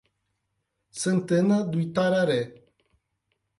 Santana do Itararé